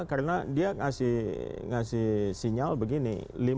karena dia ngasih sinyal begini